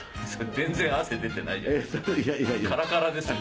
全然汗出てないじゃないカラカラですよ。